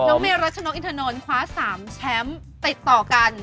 เมรัชนกอินทนนท์คว้า๓แชมป์ติดต่อกัน